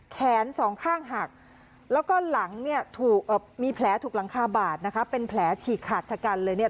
แขนสองข้างหักแล้วก็หลังเนี่ยถูกมีแผลถูกหลังคาบาดนะคะเป็นแผลฉีกขาดชะกันเลยเนี่ย